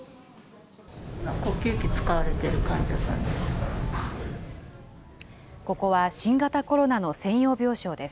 呼吸器使われてる患者さんです。